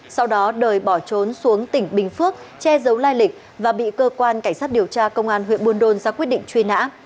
sau đó đời bỏ trốn xuống tỉnh bình phước che giấu lai lịch và bị cơ quan cảnh sát điều tra công an huyện buôn đôn ra quyết định truy nã